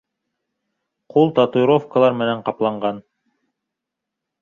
Ҡул татуировкалар менән ҡапланған.